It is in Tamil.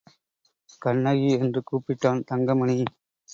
கண்ணகி! என்று கூப்பிட்டான் தங்கமணி.